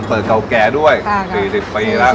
เปิดเก่าแก่ด้วย๔๐ปีละ